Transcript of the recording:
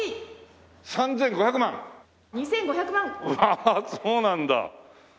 ああそうなんだ。